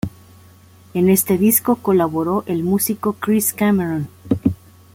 En este disco colaboró el músico Chris Cameron.